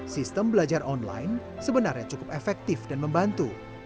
sistem belajar online sebenarnya cukup efektif dan membantu